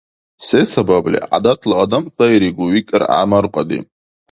— Се сабабли? ГӀядатла адам сайригу, — викӀар ГӀямаркьади.